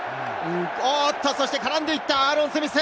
絡んでいったアーロン・スミス。